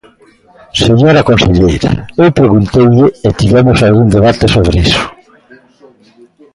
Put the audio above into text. Señora conselleira, eu pregunteille e tivemos algún debate sobre iso.